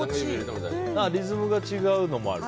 リズムが違うのもある。